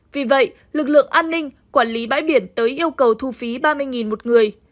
vì vậy lực lượng an ninh quản lý bãi biển tới yêu cầu thu phí ba mươi một người